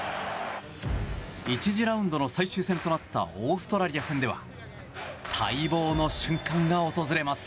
１次ラウンドの最終戦となったオーストラリア戦では待望の瞬間が訪れます。